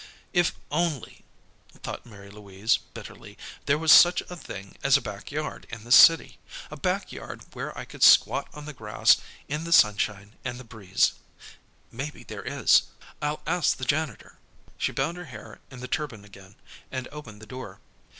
"If only," thought Mary Louise, bitterly, "there was such a thing as a back yard in this city a back yard where I could squat on the grass, in the sunshine and the breeze Maybe there is. I'll ask the janitor." She bound her hair in the turban again, and opened the door.